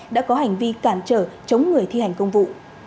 đã có hành vi cản trở chống người thi hành công vụ